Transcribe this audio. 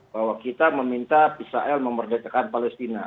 bahwa kita meminta israel memerdekakan palestina